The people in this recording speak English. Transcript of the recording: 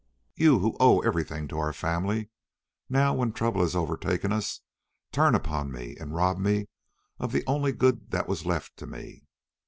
You, who owe everything to our family, now when trouble has overtaken us, turn upon me and rob me of the only good that was left to me.